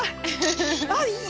あっ、いい！